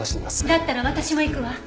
だったら私も行くわ。